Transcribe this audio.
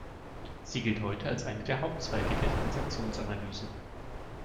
Sie gilt heute als einer der Hauptzweige der Transaktionsanalyse.